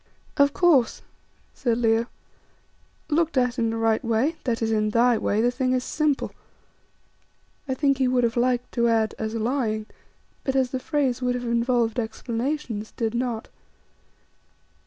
"Of course," said Leo, "looked at in the right way, that is in thy way, the thing is simple." I think he would have liked to add, "as lying," but as the phrase would have involved explanations, did not.